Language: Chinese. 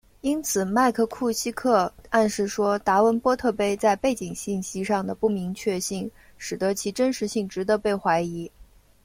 因此麦克库西克暗示说达文波特碑在背景信息上的不明确性使得其真实性值得被怀疑。